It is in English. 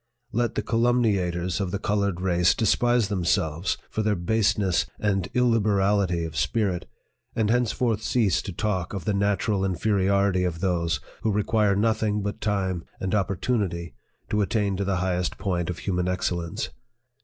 Let the calumniators of the colored PREFACE. VU race despise themselves for their baseness and illib erally of spirit, and henceforth cease to talk of the natural inferiority of those who require nothing but time and opportunity to attain to the highest point of human excellence.